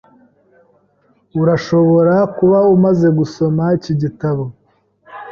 Urashobora kuba umaze gusoma iki gitabo.